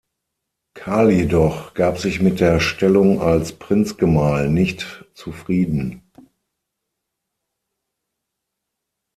Karl jedoch gab sich mit der Stellung als Prinzgemahl nicht zufrieden.